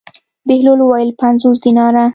بهلول وویل: پنځوس دیناره.